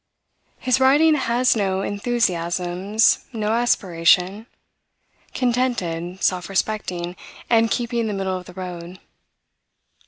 His writing has no enthusiasms, no aspiration; contented, self respecting, and keeping the middle of the road.